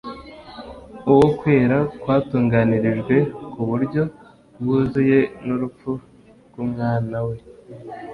uwo kwera kwatunganirijwe ku buryo bwuzuye n'urupfu rw'Umwana we,